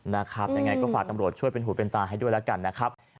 ยังไงก็ฝากตำรวจช่วยเป็นหูเป็นตาให้ด้วยแล้วกันนะครับ